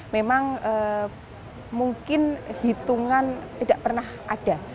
memang mungkin hitungan tidak pernah ada